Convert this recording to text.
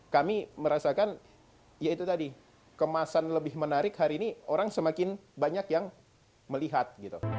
kami merasakan ya itu tadi kemasan lebih menarik hari ini orang semakin banyak yang melihat gitu